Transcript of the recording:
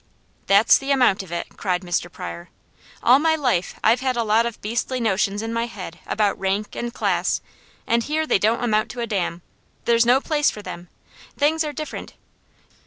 "That's the amount of it!" cried Mr. Pryor. "All my life I've had a lot of beastly notions in my head about rank, and class, and here they don't amount to a damn! There's no place for them. Things are different.